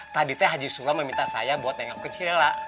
tadi teh haji sula meminta saya buat tengokin si nelela